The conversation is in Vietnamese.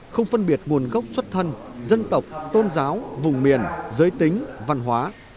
không phân biệt nguồn gốc xuất thân dân tộc tôn giáo vùng miền giới tính văn hóa